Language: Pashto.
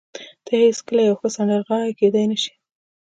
ته هېڅکله یوه ښه سندرغاړې کېدای نشې